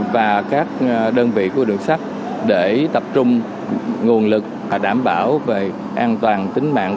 và các đơn vị của được sắp để tập trung nguồn lực và đảm bảo về an toàn tính mạng